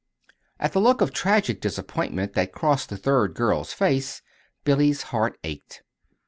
At the look of tragic disappointment that crossed the third girl's face, Billy's heart ached.